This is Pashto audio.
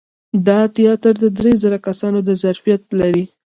دا تیاتر د درې زره کسانو د ظرفیت لري.